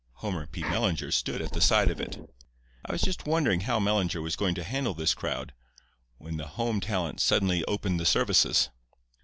Homer P. Mellinger stood at the side of it. I was just wondering how Mellinger was going to handle his crowd, when the home talent suddenly opened the services.